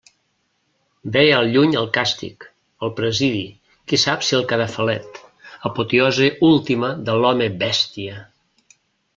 Veia al lluny el càstig, el presidi, qui sap si el cadafalet, apoteosi última de l'home-bèstia!